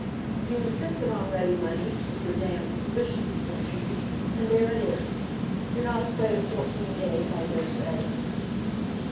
"You insisted on ready money, with your d suspicions," said he; "and there it is. You're not afraid of fourteen days, I dare say."